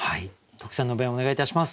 特選の弁をお願いいたします。